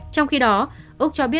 trong khi đó úc cho biết